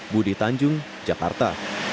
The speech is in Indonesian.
budi tanjung jakarta